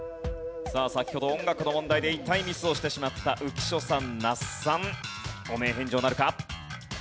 さあ先ほど音楽の問題で痛いミスをしてしまった浮所さん那須さん汚名返上なるか？